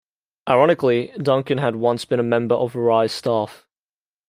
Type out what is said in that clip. Ironically, Duncan had once been a member of Wrye's staff.